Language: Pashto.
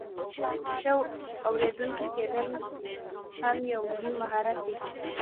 ښه اوریدونکی کیدل هم یو مهم مهارت دی.